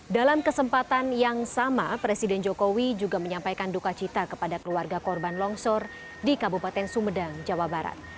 dalam kesempatan yang sama presiden jokowi juga menyampaikan duka cita kepada keluarga korban longsor di kabupaten sumedang jawa barat